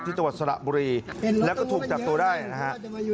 จังหวัดสระบุรีแล้วก็ถูกจับตัวได้นะฮะ